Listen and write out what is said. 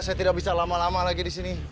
saya tidak bisa lama lama lagi di sini